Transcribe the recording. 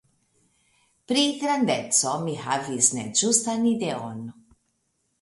Pri grandeco mi havis neĝustan ideon.